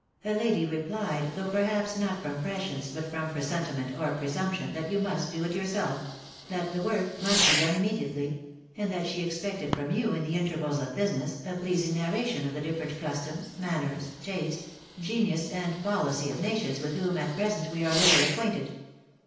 "A lady replied, though perhaps not from prescience, but from presentiment or presumption, that you must do it yourself; that the work must be done immediately; and that she expected from you in the intervals of business, a pleasing narration of the different customs, manners, taste, genius, and policy of nations with whom, at present, we were little acquainted.